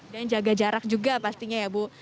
dan jaga jarak juga pastinya ya ibu